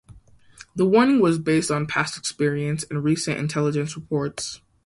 The warning was based on past experience and recent intelligence reports.